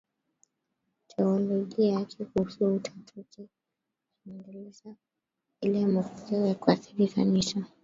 Teolojia yake kuhusu Utatu inaendeleza ile ya mapokeo na kuathiri Kanisa